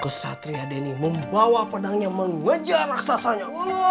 kesatria denny membawa pedangnya mengejar raksasanya